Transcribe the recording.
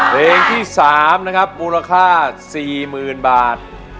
เพลงที่๓นะครับมูลค่า๔๐๐๐บาท